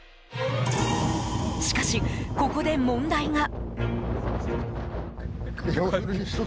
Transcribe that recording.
しかし、ここで問題が。